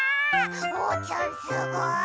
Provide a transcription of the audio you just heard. おうちゃんすごい！